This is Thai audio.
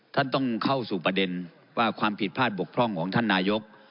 ท่านต้องเข้าสู่ประเด็นว่าความผิดพลาดบกพร่องของท่านนายก